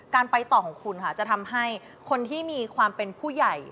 การไปต่อของคุณค่ะจะทำให้คนที่มีความเป็นผู้ใหญ่